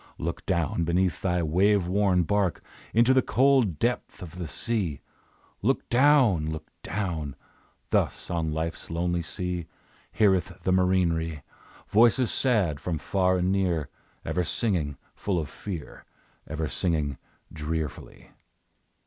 Look down beneath thy wave worn bark Into the cold depth of the sea! Look down! Look down! Thus on Life's lonely sea, Heareth the marinere Voices sad, from far and near, Ever singing full of fear, Ever singing drearfully.